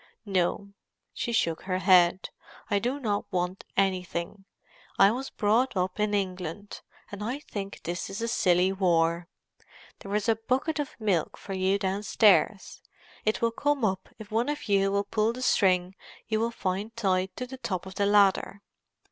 "No." She shook her head. "I do not want anything. I was brought up in England, and I think this is a silly war. There is a bucket of milk for you downstairs; it will come up if one of you will pull the string you will find tied to the top of the ladder."